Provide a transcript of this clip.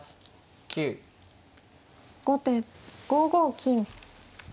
後手５五金。